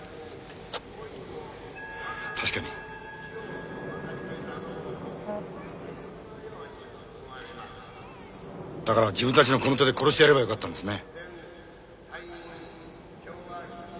確かにだから自分たちのこの手で殺してやればよかったんですね